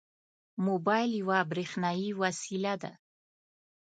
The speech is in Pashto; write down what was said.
موبایل یوه برېښنایي وسیله ده.